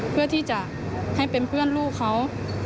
เพื่อที่จะให้เป็นเพื่อนลูกเขา